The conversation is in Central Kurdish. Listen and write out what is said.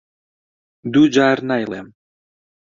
دوو جار نایڵێم.